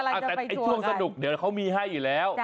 แต่ไอ้ช่วงสนุกเดี๋ยวเขามีให้อยู่แล้ว